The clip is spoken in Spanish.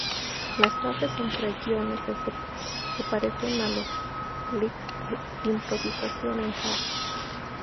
Las frases entre guiones se parecen a los licks de improvisación en jazz.